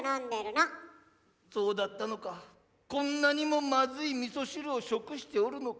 そうだったのかこんなにもまずい味噌汁を食しておるのか。